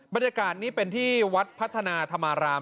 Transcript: บรรยากาศนี้เป็นที่วัดพัฒนาธรรมาราม